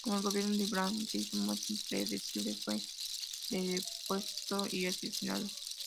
Como el gobierno de Ibrahim se hizo más impredecible, fue depuesto y asesinado.